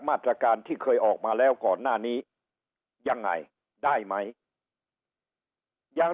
มาตรการที่เคยออกมาแล้วก่อนหน้านี้ยังไงได้ไหมยัง